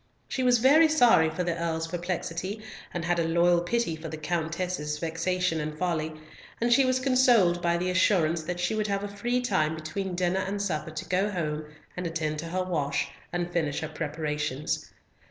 She was very sorry for the Earl's perplexity, and had a loyal pity for the Countess's vexation and folly, and she was consoled by the assurance that she would have a free time between dinner and supper to go home and attend to her wash, and finish her preparations.